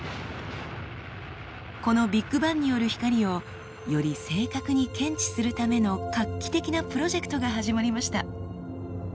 このビッグバンによる光をより正確に検知するための画期的なプロジェクトが始まりました。